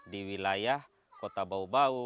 di wilayah kota baobab